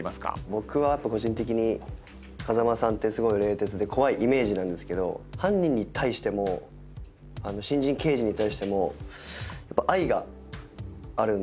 僕はやっぱ個人的に風間さんってすごい冷徹で怖いイメージなんですけど犯人に対しても新人刑事に対しても愛があるんですよね。